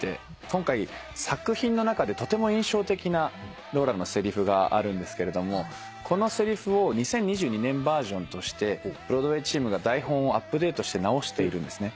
今回作品の中でとても印象的なローラのせりふがあるんですけれどこのせりふを２０２２年バージョンとしてブロードウェイチームが台本をアップデートして直しているんですね。